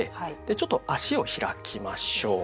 ちょっと足を開きましょう。